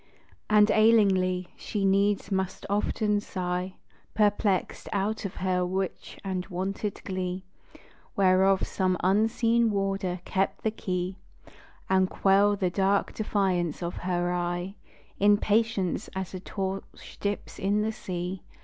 And ailingly, she needs must often sigh, Perplexèd out of her rich wonted glee, Whereof some unseen warder kept the key, And quell the dark defiance of her eye In patience, as a torch dips in the sea.